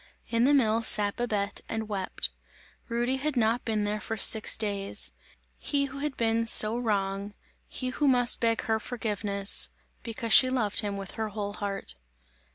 In the mill sat Babette and wept; Rudy had not been there for six days; he who had been so wrong; he who must beg her forgiveness, because she loved him with her whole heart.